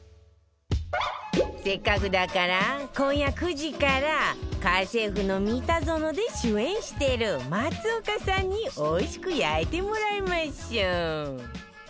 せっかくだから今夜９時から『家政夫のミタゾノ』で主演している松岡さんにおいしく焼いてもらいましょう